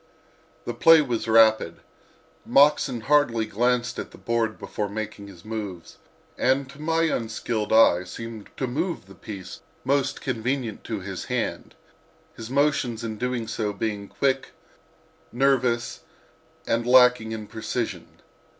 The play was rapid. Moxon hardly glanced at the board before making his moves, and to my unskilled eye seemed to move the piece most convenient to his hand, his motions in doing so being quick, nervous and lacking in precision.